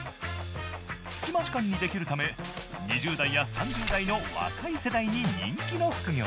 隙間時間にできるため２０代や３０代の若い世代に人気の副業です。